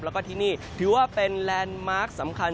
แล้วก็ที่นี่ถือว่าเป็นแลนด์มาร์คสำคัญ